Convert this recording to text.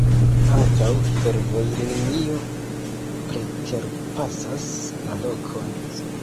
Ankaŭ fervojlinio preterpasas la lokon.